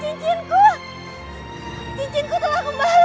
cincinku telah kembali